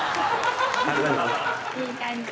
いい感じ。